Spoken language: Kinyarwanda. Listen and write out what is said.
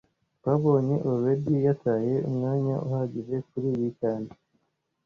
Twabonye already yataye umwanya uhagije kuriyi cyane